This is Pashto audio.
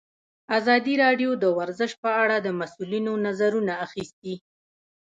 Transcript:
ازادي راډیو د ورزش په اړه د مسؤلینو نظرونه اخیستي.